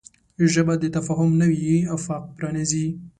ژبه د تفاهم نوی افق پرانیزي